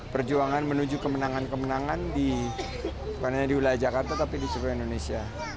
perjuangan menuju kemenangan kemenangan di bukan hanya di wilayah jakarta tapi di seluruh indonesia